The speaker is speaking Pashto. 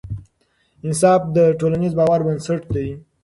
انصاف د ټولنیز باور بنسټ دی